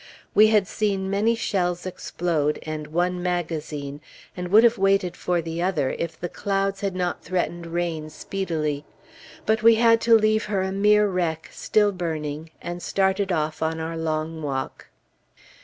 We had seen many shells explode, and one magazine, and would have waited for the other, if the clouds had not threatened rain speedily. But we had to leave her a mere wreck, still burning, and started off on our long walk.